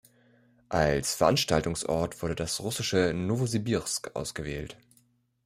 Als Veranstaltungsort wurde das russische Nowosibirsk ausgewählt.